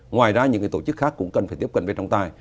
ngoài ra những tổ chức khác cũng cần phải tiếp cận về trọng tài